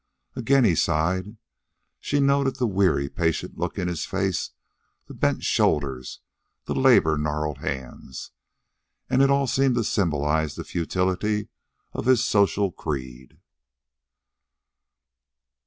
Again he sighed. She noted the weary, patient look in his face, the bent shoulders, the labor gnarled hands, and it all seemed to symbolize the futility of his social creed.